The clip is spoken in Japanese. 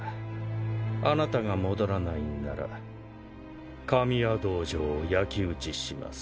あなたが戻らないんなら神谷道場を焼き打ちします。